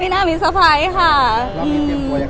ไม่น่ามีสปไปร์สครั้งค่ะ